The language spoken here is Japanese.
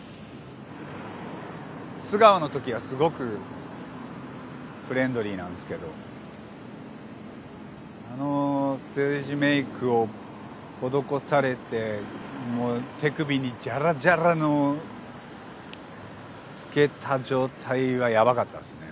素顔の時はすごくフレンドリーなんですけどあのステージメイクを施されてもう手首にジャラジャラのをつけた状態はやばかったっすね。